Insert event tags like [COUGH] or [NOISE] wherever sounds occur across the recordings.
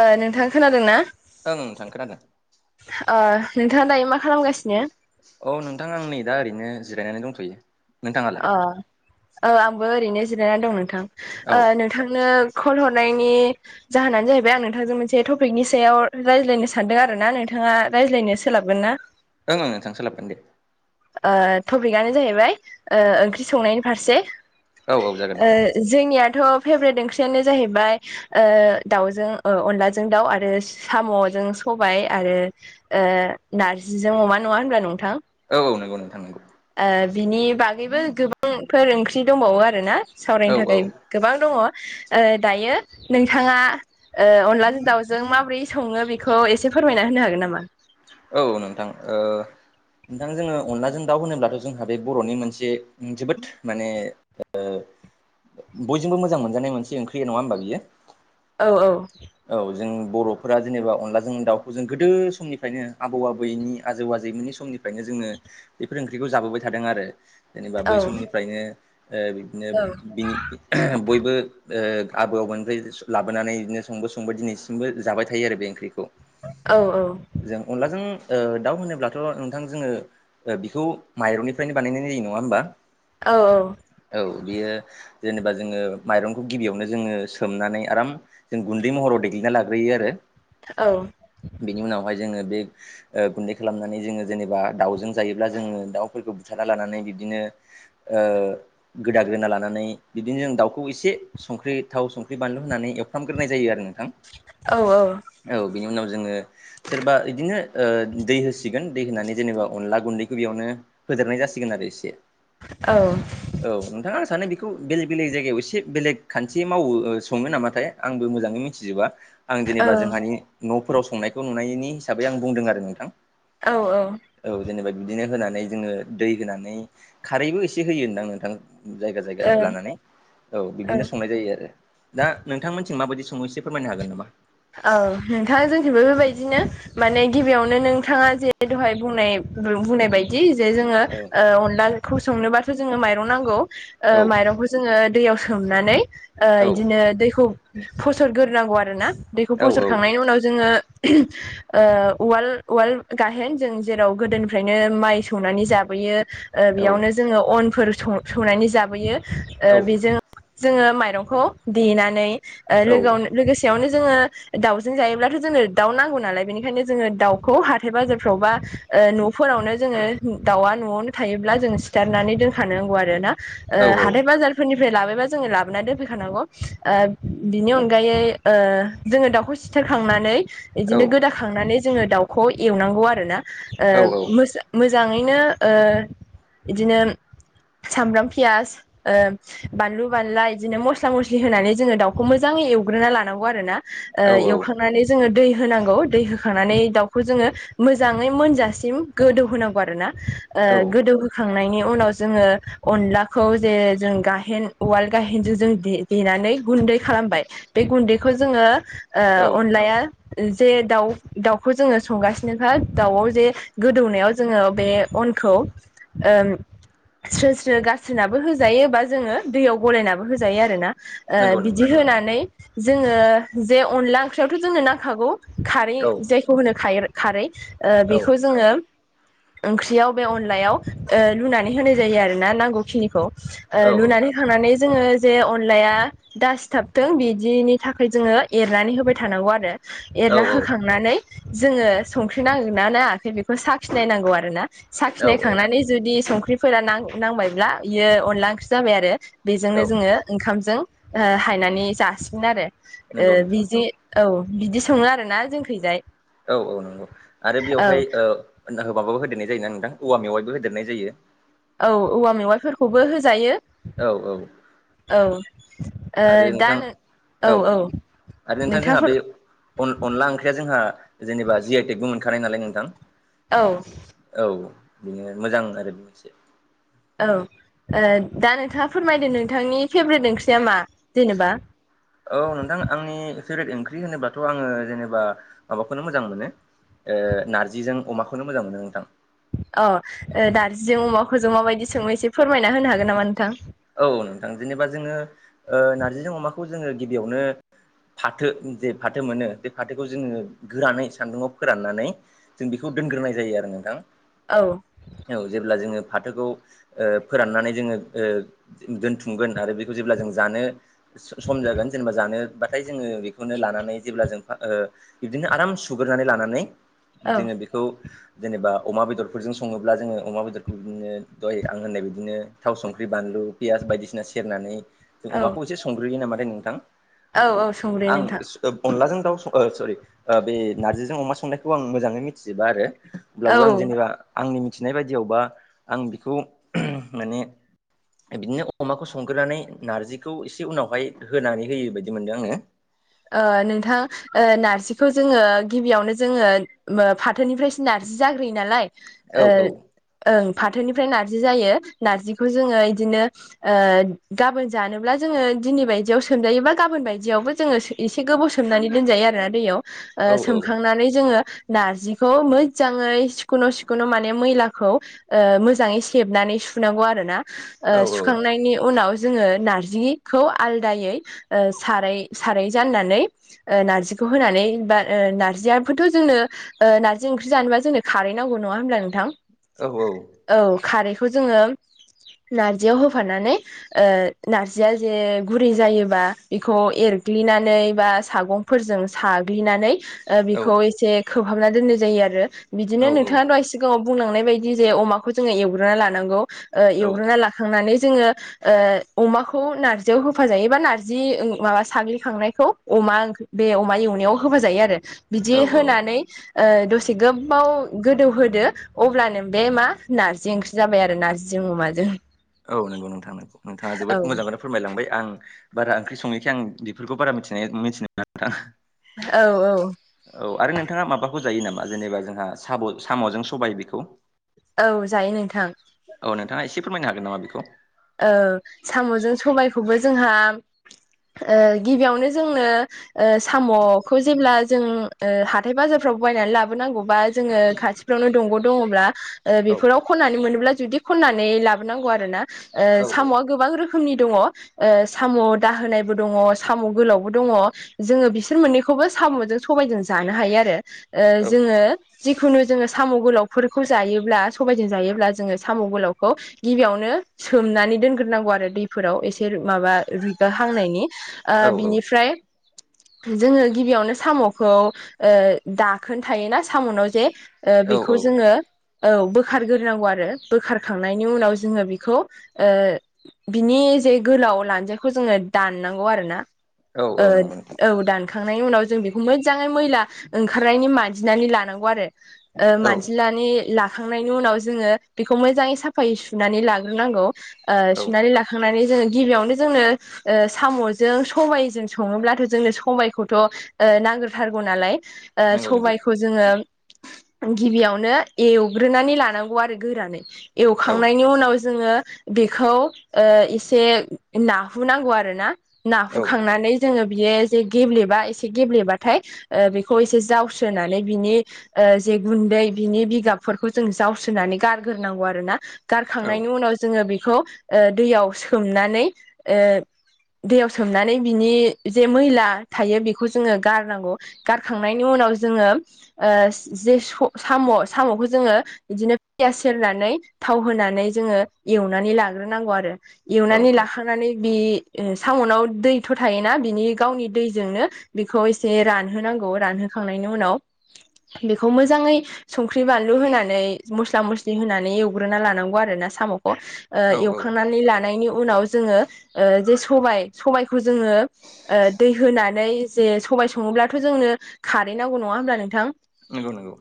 ओ नोंथां खोनादों ना ओं नोंथां खोनादों अ नोंथाङा दायो मा खालामगासिनो औ नोंथां आं नै दा ओरैनो जिरायनानै दंथ'यो नोंथाङालाय अ ओ आंबो ओरैनो जिरायनानै दं औ नोंथां नोंथांनो खल हरनायनि जाहोनानो जाहैबाय आं नोंथांजों मोनसे टपिकनि सायाव रायज्लायनो सानदों आरो ना नोंथाङा रायज्लायनो सोलाबगोन ना ओं नोंथां सोलाबगोन दे ओ टपिकआनो जाहैबाय ओ ओंख्रि संनायनि फारसे औ औ जागोन ओ नोंथां जोंनियाथ' फेभरेट ओंख्रियानो जाहैबाय ओ दाउजों अनलाजों दाउ आरो साम'जों सबाय आरो ओ नारजिजों अमा नङा होनबा नोंथां औ नंगौ नोंथां नंगौ ओ बिनि बागैबो गोबांफोर ओंख्रि दंबावो आरोना औ सावरायनो औ थाखै। गोबां दङ ओ दायो नोंथाङा ओ अनलाजों दाउजों माबोरै सङो बेखौ एसे फोरमायना होनो हागोन नामा? औ नोंथां ओ नोंथां जोङो अनलाजों दाउ होनोब्लाथ' जोंहा बे बर'नि मोनसे ओम जोबोद माने बयजोंबो मोजां मोनजानाय मोनसे ओंख्रि नङा होमबा बियो? औ औ औ जों बर'फोरा जेनेबा अनलाजों दाउखौ जों गोदो समनिफ्रायनो आबौ आबैनि आजौ आजैमोननि समनिफ्रायनो जोङो बेफोर ओंख्रिखौ जाबोबाय थादों आरो जेनेबा औ बै समनिफ्रायनो ओ बिदिनो बिनि। बयबो ओ आबौ आबौनिफ्राय लाबोनानै बिदिनो संबो संबाय दिनै बो जाबाय थायो आरो बे ओंख्रिखौ। औ औ। जों अनलाजों ओ दाउ होनोब्लाथ' नोंथां जोङो ओ बिखौ माइरंनिफ्रायनो बानायनाय जायो नङा होमबा? औ औ। औ बेयो जेनेबा जोङो माइरंखौ गिबियावनो जोङो सोमनानै आराम जों गुन्दै महराव देग्लिना लाग्रोयो आरो। औ बिनि उनावहाय जोङो बे ओ गुन्दै खालामनानै जोङो जेनेबा दाउजों जायोब्ला जोङो दाउफोरखौ बुथारना लानानै बिब्दिनो ओ गोदाग्रोना लानानै बिदि जों दाउखौ इसे संख्रि, थाव, संख्रि, बानलु होनानै एवफ्रामग्रोनाय जायो आरो नोंथां। औ औ औ बिनि उनाव जोङो सोरबा इद दिनो ओ दै होसिगोन दै होनानै जेनेबा अनला गुन्दैखौ इयावनो होदेरनाय जासिगोन आरो एसे। औ औ नोंथां आं सानो बेखौ बेलेग बेलेग जायगायाव एसे बेलेग खान्थि मावो ओ सङो नामाथाय। आंबो मोजाङै मिथिजोबा। आं जेनेबा जोंहानि न'फोराव संनायखौ नुनायनि हिसाबै आं बुंदों आरो नोंथां। औ औ। औ जेनेबा बिदिनो होनानै जोङो दै होनानै खारैबो एसे होयो ओनदां नोंथां। जायगा जायगा औ लानानै औ बिदिनो संनाय जायो आरो। दा नोंथांमोनथिं माबादि संङो एसे फोरमायनो हागोन नामा? औ नोंथां जोंथिंबो बेबायदिनो माने गिबियावनो नोंथाङा जे दहाय बुंनाय उम बुंनाय बाय जि जे जोंङो औ ओ अनला ओंख्रिखौ संनोबा जोंनो माइरं नांगौ, औ ओ माइरंखौ जो जोङो दैयाव सोमनानै ओ औ इदिनो दैखौ फसरगोरनांगौ आरो ना। दैखौ औ फसरखांनायनि उनाव जोङो ओ उवाल उवाल गाहेन जों जेराव गोदोनिफ्रायनो माइ सौनानै जाबोयो ओ औ बेयावनो जोङो अनफोर सं-सौनानै जाबोयो, ओ औ बेजों- जोङो माइरंखौ देनानै ओ औ लोगोआवनो लोगोसेयावनो। जोङो दाउजों जायोब्लाथ' जोंनो दाउ नांगौ नालाय बेनिखायनो जोङो दाउखौ हाथाय बाजारफ्रावबा ओ न'फोरावनो जोङो दाउआ न'आवनो थायोब्ला जों सिथारनानै दोनखानांगौ आरो ना। ओ हाथाय बाजार। फोरनिफ्राय लाबायबा जोङो लाबोना दोनफैखानांगौ ओ बिनि अनगायै ओ जोङो दाउखौ सिथारखांनानै औ इदिनो गोदाखांनानै जोङो दाउखौ एवनांगौ आरो ना। ओ मोजा मोजांङैनो ओ इदिनो सामब्राम, पियाज ओ बानलु-बानला इदिनो मस्ला-मस्लि होनानै जोङो दाउखौ मोजाङै एवग्रोना लानांगौ आरो ना। ओ औ एवखांनानै जोङो दै होनांगौ, दै होखांनानै दाउखौ जोङो मोजाङै मोनजासिम गोदौ होनांगौ आरोना, ओ औ गोदौहोखांनायनि उनाव जोङो। अनलाखौ जे जों गाहेन उवाल गाहेनजों जों दे देनानै गुन्दै खालामबाय। बे गुन्दैखौ जोङो औ ओ अनलाया जे दाउ दाउखौ जोङो संगासिनोखा दाउआव जे गोदौनायाव जोङो बे अनखौ ओम, स्रो-स्रो गारस्रिनाबो होजायो बा जोङो दैयाव गलायनाबो होजायो आरो ना। ओ नंगौ नंगौ बिदि होनानै जोङो जे अनला ओंख्रियावथ' जोंनो नांखागौ खारै औ जायखौ होनो खाइर-खारै औ बेखौ जोंङो ओंख्रियाव बे अनलायाव लुनानै होनाय जायो, आरो ना नांगौ खिनिखौ। ओ औ लुनानै होखांनानै जोंङो जे अनलाया दासिथाबथों बिदिनि थाखाय जोंङो एरनानै होबाय थानांगौ आरो एरना होखांनानै जोंङो संख्रि नांगोन नायाखै बेखौ साखिनाय नांगौ आरोना औ साखिनायखांनानै जुदि संख्रिफोरा नां-नांबायब्ला बियो अनला ओंख्रि जाबाय, आरो। बेजोंनो औ जोंङो ओंखामजों हायनानै जासिगोन आरो ओ नंगौ नोंथां नंगौ बिजि औ बिदि संङो आरोना जोंखैजाय। औ औ नंगौ आरो औ बेवहाय ओ माबाबो होदेरनाय जायोना नोंथां, औवा मेवाइबो होदेरनाय जायो। औ औवा मेवाइफोरखौबो होजायो। औ औ। औ ओ आरो दा नोंथां नों औ आरो नोंथां जोंहा नोंथांफोर बे अन-अनला ओंख्रिया जोंहा जेनेबा जि आइ टेकबो मोनखानाय नालाय नोंथां। औ। औ बिनो मोजां आरो बे मोनसे। औ दा नोंथांङा फोरमायदों नोंथांनि फेभ्रेट ओंख्रिया मा? जेनेबा औ नोंथां आंनि फेभरेट ओंख्रि होनोबाथ' आंङो जेनेबा माबाखौनो मोजां मोनो। ओ नारजिजों अमाखौनो मोजां मोनो नोंथां। अ नार्जिजों अमाखौजों माबायदि संङो एसे फोरमायना होनो हागोन नामा नोंथां? औ नोंथां जेनेबा जोंङो ओ नार्जिजों अमाखौ जोंङो गिबियावनो फाथो जे फाथो मोनो बे फाथोखौ जोंङो गोरानै सान्दुंङाव फोराननानै जों बेखौ दोनग्रोनाय जायो आरो नोंथां। औ। औ जेब्ला जोंङो फाथोखौ ओ फोराननानै जोंङो ओ दोनथुमगोन आरो बेखौ जेब्ला जों जानो सम जागोन जेनेबा जानोबाथाय जोंङो बेखौनो लानानै जेब्ला जों ओ बिबदिनो आराम सुग्रोनानै लानानै औ जोंङो बेखौ जेनेबा अमा बेदरफोरजों संङोब्ला जोंङो अमा बेदरखौ बिदिनो दय आं होननाय बिदिनो थाव, संख्रि, बानलु पियास बायदिसिना सेरनानै जों औ अमाखौ एसे संग्रोयो नामाथाय नोंथां? औ औ संग्रोयो नोंथां। ओ अनलाजों दाउ स सरि बे नारजिजों अमा संनायखौ आं मोजांङै मिथिजोबा आरो। औ अब्लाबो आं ओ जेनेबा आंनि मिथिनाय बायदियावबा आं बिखौ माने बिदिनो अमाखौ संग्रोनानै नारजिखौ एसे उनावहाय होनानै होयो बायदि मोनदों आंङो। ओ नोंथां ओ नारजिखौ जोंङो गिबियावनो जोंङो ओ फाथोनिफ्रायसो नारजि जाग्रोयो नालाय ओ औ ओं फाथोनिफ्राय नार्जि जायो नार्जिखौ जोंङो बिदिनो ओ गाबोन जानोब्ला जोंङो दिनै बायदियाव सोमजायोबा गाबोन बायदियावबो जोंङो सो एसे गोबाव सोमनानै दोनजायो आरोना दैयाव ओ औ सोमखांनानै जोंङो नारजिखौ मोजांङै सिखन' सिखन' माने मैलाखौ मोजांङै सेबनानै सुनांगौ आरोना। ओ औ सुखांनायनि उनाव जोंङो नारजिखौ आलदायै ओ सारै सारै जाननानै ओ नार्जिखौ होनानै बा नार्जिआबोथ' जोंनो ओ नारजि ओंख्रि जानोबा जोंनो खारै नांगौ नंङा होनोमब्ला नोंथां? औ औ। औ खारैखौ जोंङो नारजियाव होफानानै ओ नारजिया एसे गुरै जायोबा बेखौ एरग्लिनानै नै बा सागंफोरजों साग्लिनानै ओ औ बेखौ एसे खोबहाबना दोननाय जायो आरो औ बिदिनो नोंथांङा दहायस सिगांङाव बुंलांनाय बायदि जे अमाखौ जोंङो एवग्रोना लानांगौ ओ एवग्रोना औ ला खांनानै जोंङो ओ अमाखौ नार्जियाव होफा जायोबा नार्जि माबा साग्लिखांनाय खौ अमा ओंख्रि बे अमा एवनायाव होफा जायो आरो बिदि औ होनानै दसे गोब्बाव गोदौहोदो। अब्लानो बे मा नारजि ओंख्रि जाबाय आरो नार्जिजों अमाजों। औ नंगौ नोंथा नंगौ नोंथाङा औ जोबोद मोजांखौनो फोरमायलांबाय आं बारा ओंख्रि सङैखाय आं बेफोरखौ बारा मिथिनाय मिथिनो नङा नोंथां। औ औ [INAUDIBLE] औ आरो नोंथाङा माबाखौ जायो नामा जेनेबा जोंहा साम' साम'जों सबाय बेखौ? औ जायो नोंथां। औ नोंथाङा एसे फोरमायनो हागोन नामा बेखौ? ओ साम'जों सबायखौबो जोंहा ओ गिबियावनो जोंनो ओ साम'खौ जेब्ला जों ओ हाथाय बाजारफ्राव बायनानै लाबोनांगौ बा जोङो खाथि फ्रावनो दंग' दङब्ला ओ औ बेफोराव खननानै मोनोब्ला जुदि खननानै लाबोनांगौ आरो ना ओ औ साम'आ गोबां रोखोमनि दङ ओ साम' दाहोनायबो दङ साम' गोलावबो दङ। जोङो बिसोर मोननैखौबो साम'जों सबायजों जानो हायो आरो ओ औ जोङो जि खुनु जोङो साम' गोलावफोरखौ जायोब्ला सबायजों जायोब्ला जोङो साम' गोलावखौ गिबियावनो सोमनानै दोनग्रोनांगौ आरो दैफोराव एसे माबा रुइगा हांनायनि औ बिनिफ्राय जोङो गिबियावनो साम'खौ ओ दाखोन थायोना साम'नाव जे ओ औ बेखौ जोङो औ बोखारग्रोनांगौ आरो बोखारखांनायनि उनाव जोङो बेखौ बिनि जे गोलाव लान्जायखौ जोङो दाननांगौ आरो ना। औ ओ औ नंगौ नोंथां औ दान खांनायनि उनाव जों बेखौ मोज्जाङै मैला ओंखारनायनि मानजिनानै लानांगौ आरो। ओ औ मानजिलानै लाखांनायनि उनाव जोङो बेखौ मोजाङै साफायै सुनानै लाग नांगौ ओ औ सुनानै लाखांनानै जोङो गिबियावनो जोंनो ओ साम'जों सबायजों सङोब्लाथ' जोंनो सबायखौथ' ओ नांग्रोथारगौ नालाय ओ नंगौ नंगौ सबायखौ जोङो गिबियावनो एवग्रोनानै लानांगौ आरो गोरानै। औ एवखांनायनि उनाव जोङो बेखौ ओ एसे नाहुनांगौ आरोना। औ नाहुखांनानै जोङो बियो जे गेब्लेबा एसे गेब्लेबाथाय ओ बेखौ एसे जावस्रोनानै बिनि ओ जे गुन्दै बिनि बिगाबफोरखौ जों जावस्रोनानै गारग्रोनांगौ आरो ना गारखा औ खांनायनि उनाव जोङो बेखौ दैयाव सोमनानै दैयाव सोमनानै बिनि जे मैला थायो बेखौ जोङो गारनांगौ गारखांनायनि उनाव जोङो जे साम' साम'खौ जोङो बिदिनो पियास सेरनानै थाव होनानै जोङो एवनानै लाग्रोनांगौ आरो औ एवनानै लाखांनानै बे साम'नाव दैथ' थायोना बिनि गावनि दैजोंनो बेखौ एसे रानहोनांगौ रानहोखांनायनि उनाव बेखौ मोजाङै संख्रि बानलु होनानै मस्ला मस्लि होनानै एवग्रोना लानांगौ आरो ना साम'खौ ओ औ औ एवखांनानै लानायनि उनाव जोङो ओ जे सबाय सबायखौ जोङो ओ दै होनानै जे सबाय सङोब्लाथ' जोंनो खारै नांगौ नङा होमब्ला नोंथां? नंगौ नंगौ।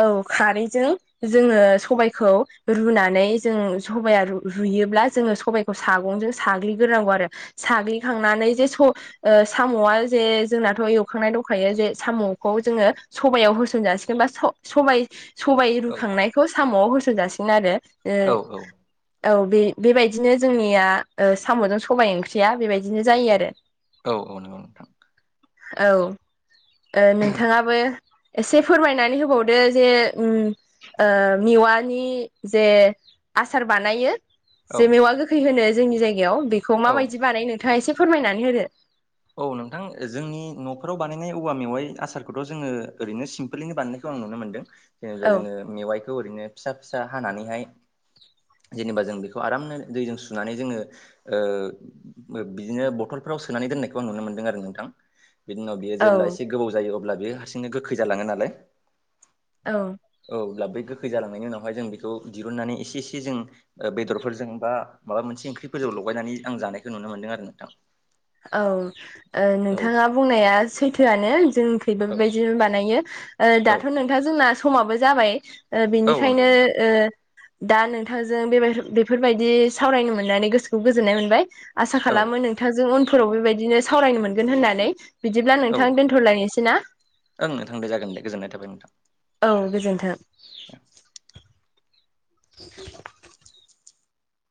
औ खारैजों जोङो सबायखौ रुनानै जों सबाया रु रुयोब्ला जोङो सबाइखौ सागंजों साग्लिग्रोनांगौ आरो। साग्लिखांनानै जे स ओ साम'आ जे जोंनाथ' एवखांनाय दंखायो जे साम'खौ जोङो सबायाव होसन जासिगोन बा सबाय सबायाइ औ रुखांनायखौ साम'आव होसनजासिनो आरो औ औ बे बेबायदिनो जोंनिया साम'जों सबाय ओंख्रिया बेबायदिनो जायो आरो औ औ नंगौ नोंथां औ नोंथाङाबो एसे फोरमायनानै होबावदो जे मिवानि जे आसार बानायो औ जे मेवा गोखै होनो जोंनि जायगायाव बेखौ औ माबायदि बानायनो नोंथाङा एसे फोरमायनानै होदो औ नोंथां जोंनि न'फोराव बानायनाय औवा मेवाइ आसारखौथ' जोङो ओरैनो सिमपोलावनो बानायनो खौ आं नुनो मोनदों जेनेबा औ जोङो मेवाइखौ ओरैनो फिसा फिसा हानानैहाय जेनेबा जों बेखौ आरामनो दैजों सुनानै जोङो बिदिनो बथलफ्राव सोनानै दोननायखौ आं नुनो मोनदों आरो नोंथां बिनि उनाव बियो औ जेब्ला एसे गोबौ जायो अब्ला बेयो हारसिंनो गोखै जालाङो नालाय औ औ अब्ला बेै गोखै जालांनायनि उनावहाय जों बेखौ दिहुननानै एसे एसे जों बेदरफोरजों बा माबा मोनसे ओंख्रिफोरजों लगायनानै आं जानायखौ नुनो मोन्दों आरो नोंथां औ औ नोंथाङा बुंनाया सैथो' थोआनो जोंनिथिंबो औ बेबायदिनो बानायो औ दाथ' नोंथां जोंना समाबो जाबाय औ नंगौ बिनिखायनो नोंथां दा नोंथांजों बेबाय बेफोरबायदि सावरायनो मोननानै गोसोखौ गोजोननाय मोनबाय आसा औ खालामो नोंथांजों उनफोराव बेबायदिनो सावरायनो मोनगोन होननानै बिदिब्ला औ नोंथां दोन्थ'लायनोसै ना नोंथां दे गोजोननाय थाबाय नोंथां औ गोजोन्थों [INAUDIBLE]